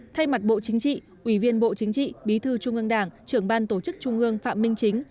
thay mặt bộ chính trị ủy viên bộ chính trị bí thư trung ương đảng trưởng ban tổ chức trung ương phạm minh chính